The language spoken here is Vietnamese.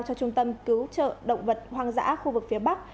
cho trung tâm cứu trợ động vật hoang dã khu vực phía bắc